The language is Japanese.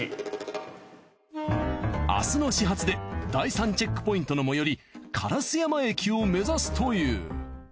明日の始発で第３チェックポイントの最寄り烏山駅を目指すという。